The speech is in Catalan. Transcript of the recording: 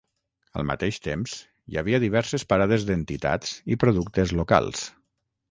Al mateix temps hi havia diverses parades d’entitats i productes locals.